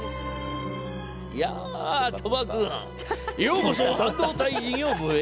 「やあ、鳥羽君ようこそ半導体事業部へ。